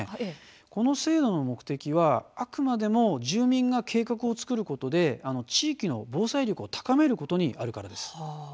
この制度の目的はあくまでも住民が計画を作ることで地域の防災力を高めることにあるからです。